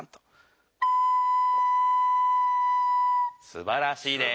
すばらしいです。